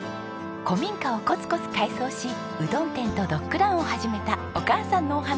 古民家をコツコツ改装しうどん店とドッグランを始めたお母さんのお話。